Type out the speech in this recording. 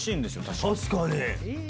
確かに。